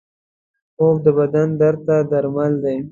خوب د بدن درد ته درمل دی